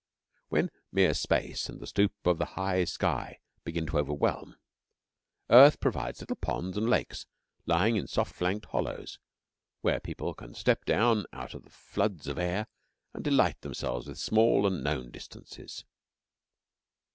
When mere space and the stoop of the high sky begin to overwhelm, earth provides little ponds and lakes, lying in soft flanked hollows, where people can step down out of the floods of air, and delight themselves with small and known distances.